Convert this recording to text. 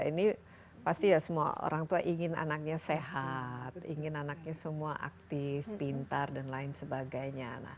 ini pasti ya semua orang tua ingin anaknya sehat ingin anaknya semua aktif pintar dan lain sebagainya